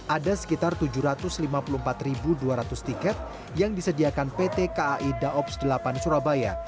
ada sekitar tujuh ratus lima puluh empat dua ratus tiket yang disediakan pt kai daops delapan surabaya